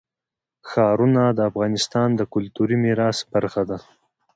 ښارونه د افغانستان د کلتوري میراث برخه ده.